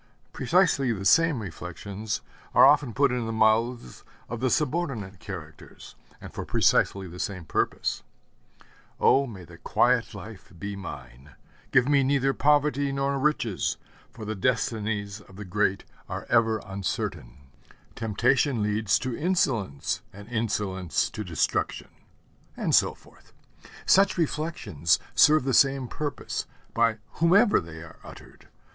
Precisely the same reflections are often put in the mouths of the subordinate characters, and for precisely the same purpose. 'Oh, may the quiet life be mine! Give me neither poverty nor riches: for the destinies of the great are ever uncertain.' 'Temptation leads to insolence, and insolence to destruction'; and so forth. Such reflections serve the same purpose, by whomever they are uttered.